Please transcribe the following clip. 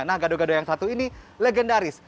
nah gado gado yang satu ini legendaris